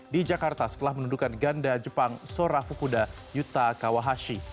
di jakarta setelah menundukan ganda jepang sora fukuda yuta kawahashi